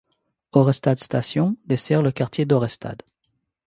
Ørestad Station dessert le quartier d'Ørestad.